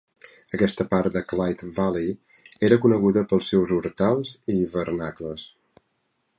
Aquesta part de Clyde Valley era coneguda pels seus hortals i hivernacles.